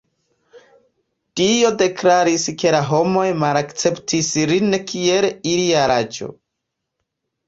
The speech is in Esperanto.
Dio deklaris ke la homoj malakceptis lin kiel ilia reĝo.